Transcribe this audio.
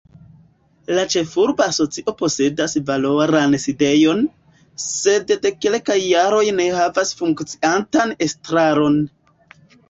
La ĉefurba asocio posedas valoran sidejon, sed de kelkaj jaroj ne havas funkciantan estraron.